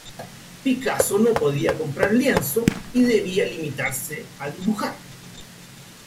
Picasso no podía comprar lienzo, y debía limitarse a dibujar.